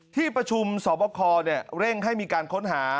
ที่ประชุมสอบคอเร่งให้มีการค้นหา